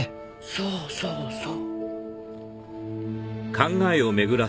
そうそうそう。